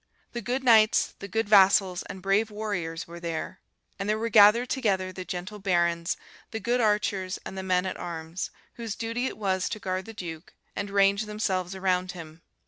The good knights, the good vassals, and brave warriors were there; and there were gathered together the gentle barons, the good archers, and the men at arms, whose duty it was to guard the Duke, and range themselves around him.